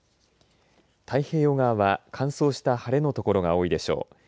太平洋側は乾燥した晴れの所が多いでしょう。